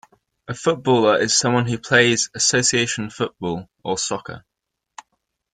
A footballer is someone who plays Association Football, or soccer